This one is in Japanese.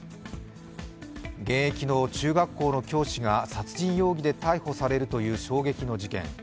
現役の中学校の教師が殺人容疑で逮捕されたという衝撃の事件。